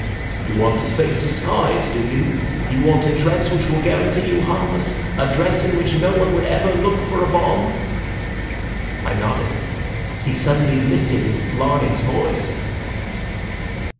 'You want a safe disguise, do you? You want a dress which will guarantee you harmless; a dress in which no one would ever look for a bomb?' I nodded. He suddenly lifted his lion's voice.